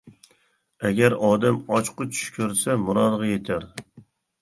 ئەگەر ئادەم ئاچقۇچ چۈش كۆرسە، مۇرادىغا يېتەر.